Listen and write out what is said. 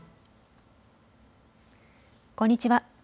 こんにちは。